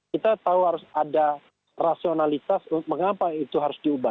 kita tahu harus ada rasionalitas mengapa itu harus diubah